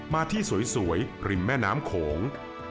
มาที่สวยริมแม่น้ำโขง